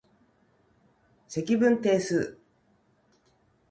積分定数